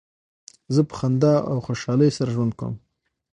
زه په خندا او خوشحالۍ سره ژوند کوم.